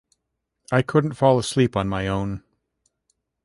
I couldn't fall asleep on my own.